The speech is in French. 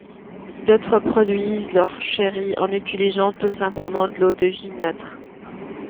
D'autre produisent leurs cherries en utilisant tout simplement de l'eau-de-vie neutre.